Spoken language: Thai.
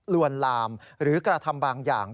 ลวนลามหรือกระทำบางอย่าง